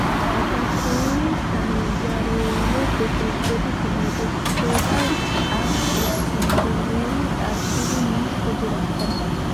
ყაზახური სამზარეულოს კერძების უმეტესობას აქვს სიმბოლური კავშირი მის კულტურასთან.